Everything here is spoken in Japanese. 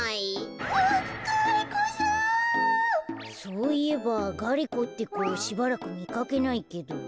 そういえばガリ子ってこしばらくみかけないけど。